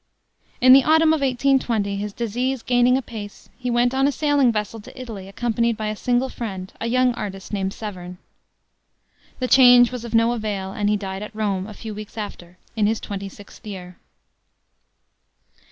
In the autumn of 1820, his disease gaining apace, he went on a sailing vessel to Italy, accompanied by a single friend, a young artist named Severn. The change was of no avail, and he died at Rome a few weeks after, in his twenty sixth year.